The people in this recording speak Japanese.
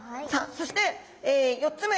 そして５つ目。